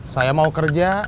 saya mau kerja